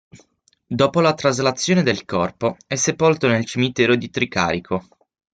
Dopo la traslazione del corpo, è sepolto nel cimitero di Tricarico.